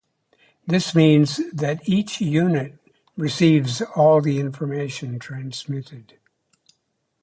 This means that each unit receives all the information transmitted.